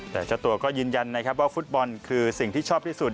แต่เจ้าตัวก็ยืนยันนะครับว่าฟุตบอลคือสิ่งที่ชอบที่สุด